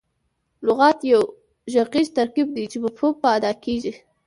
لغت یو ږغیز ترکیب دئ، چي مفهوم په اداء کیږي.